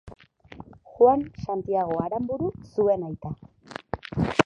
Juan Santiago Aranburu zuen aita.